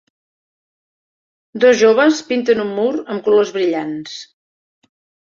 Dos joves pinten un mur amb colors brillants.